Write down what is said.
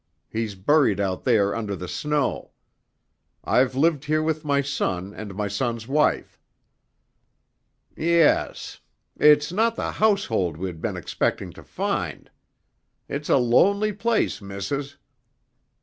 He's buried out there under the snow. I've lived here with my son and my son's wife." "Yes. It's not the household we'd been expecting to find. It's a lonely place, Missis."